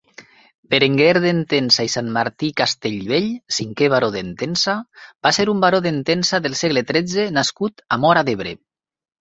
Berenguer d'Entença i Santmartí-Castellvell (cinquè baró d'Entença) va ser un baró d'Entença del segle tretze nascut a Móra d'Ebre.